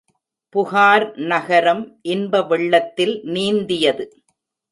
புகார் நகரம் இன்ப வெள்ளத்தில் நீந்தியது.